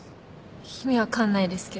意味分かんないですけど。